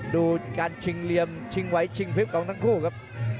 ดูการชิงเหลี่ยมชิงไว้ชิงพลิบของทั้งคู่ครับ